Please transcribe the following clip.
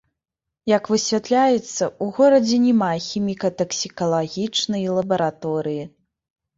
Як высвятляецца, у горадзе няма хіміка-таксікалагічнай лабараторыі.